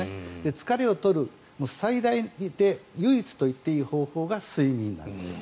疲れを取る最大で唯一と言っていい方法が睡眠なんです。